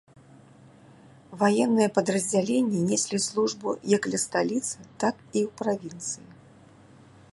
Ваенныя падраздзяленні неслі службу як ля сталіцы, так і ў правінцыі.